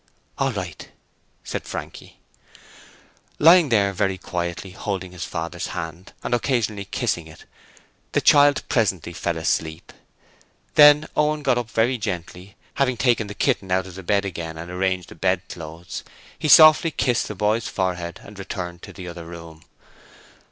'All right,' said Frankie. Lying there very quietly, holding his father's hand and occasionally kissing it, the child presently fell asleep. Then Owen got up very gently and, having taken the kitten out of the bed again and arranged the bedclothes, he softly kissed the boy's forehead and returned to the other room.